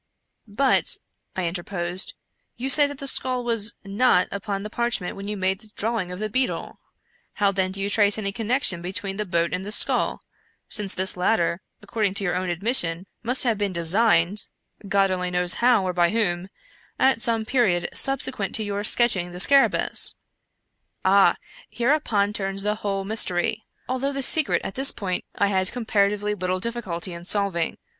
" But," I interposed, " you say that the skull was not upon the parchment when you made the drawing of the beetle. How then do you trace any connection between the boat and the skull — since this latter, according to your own admission, must have been designed (God only knows how or by whom) at some period subsequent to your sketch ing the scarahcciis? "" Ah, hereupon turns the whole mystery ; although the 150 Ed^ar Allan Poe '^b> secret, at this point, I had comparatively Httle difficulty in solving.